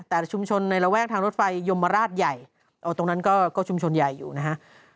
แต่ชุมชนในระแวกทางรถไฟยมราชใหญ่ตรงนั้นก็ชุมชนใหญ่อยู่นะฮะ